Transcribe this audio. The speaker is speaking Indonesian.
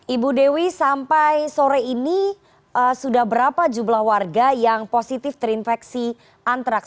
ibu dewi sampai sore ini sudah berapa jumlah warga yang positif terinfeksi antraks